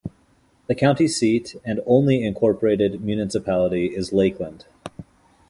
The county seat and only incorporated municipality is Lakeland.